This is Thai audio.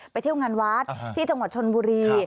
เที่ยวงานวัดที่จังหวัดชนบุรี